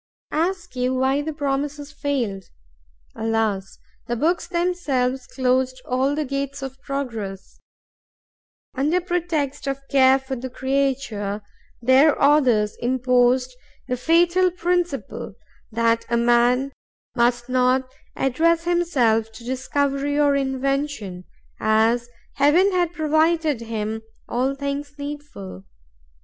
Ask you why the promises failed? Alas! the books themselves closed all the gates of progress. Under pretext of care for the creature, their authors imposed the fatal principle that a man must not address himself to discovery or invention, as Heaven had provided him all things needful.